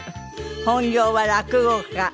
本業は落語家。